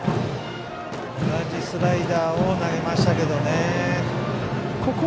同じスライダーを投げましたけどね。